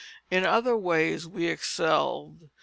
In other ways we excelled.